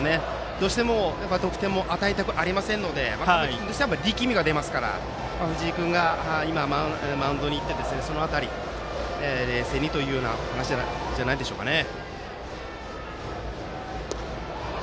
どうしても得点を与えたくありませんので玉木君としては力みも出ますから藤井君がマウンドに行ってその辺り、冷静にという話じゃないでしょうかね。